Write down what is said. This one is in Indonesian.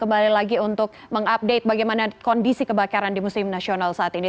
kembali lagi untuk mengupdate bagaimana kondisi kebakaran di museum nasional saat ini